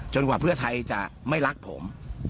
กว่าเพื่อไทยจะไม่รักผม